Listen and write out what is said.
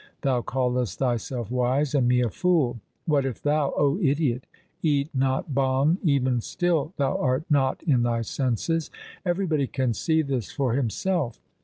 Thou callest thyself wise and me a fool. What if thou, O idiot, eat not bhang, even still thou art not in thy senses. Everybody can see this for himself.